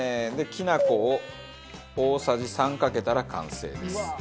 きな粉を大さじ３かけたら完成です。